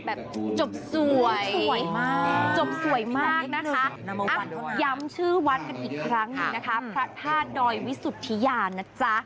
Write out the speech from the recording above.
แบบจบสวยจบสวยมากนะคะอ้าวย้ำชื่อวันกันอีกครั้งนี้นะคะพระธาตุดอยวิสุธิญาณ